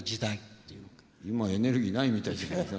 今エネルギーないみたいじゃないか。